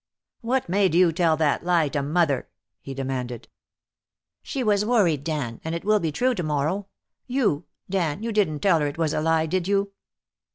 "What made you tell that lie to mother?" he demanded. "She was worried, Dan. And it will be true to morrow. You Dan, you didn't tell her it was a lie, did you?"